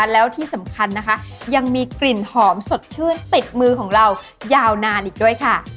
แล้วที่สำคัญนะคะยังมีกลิ่นหอมสดชื่นติดมือของเรายาวนานอีกด้วยค่ะ